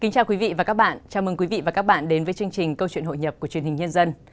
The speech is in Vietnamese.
chào mừng quý vị và các bạn đến với chương trình câu chuyện hội nhập của truyền hình nhân dân